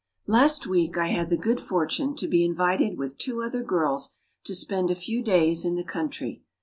Last week I had the good fortune to be invited with two other girls to spend a few days in the country.